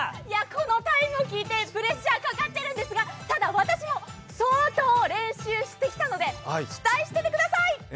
このタイムを聞いてプレッシャーかかってるんですがただ私も相当練習してきたので期待していてください！